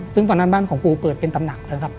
ซึ่งตอนนั้นบ้านของครูเปิดเป็นตำหนักแล้วครับ